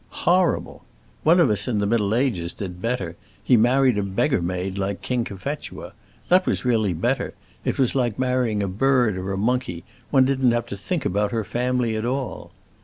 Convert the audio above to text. "Horrible! one of us, in the Middle Ages, did better: he married a beggar maid, like King Cophetua. That was really better; it was like marrying a bird or a monkey; one didn't have to think about her family at all.